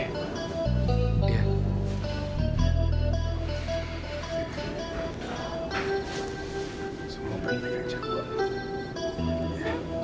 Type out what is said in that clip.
semua baik baik aja